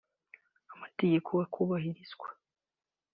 amategeko akubahirizwa